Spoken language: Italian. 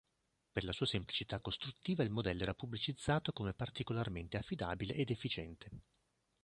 Per la sua semplicità costruttiva il modello era pubblicizzato come particolarmente affidabile ed efficiente.